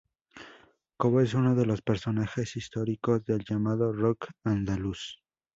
Cobo es uno de los personajes históricos del llamado Rock andaluz.